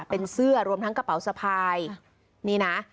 เป็นเสื้อรวมทั้งกระเป๋าสะพายนี่นะ